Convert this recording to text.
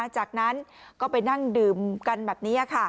จากนั้นก็ไปนั่งดื่มกันแบบนี้